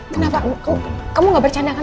kenapa kamu gak bercanda kan